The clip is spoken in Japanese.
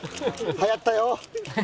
はやったよ。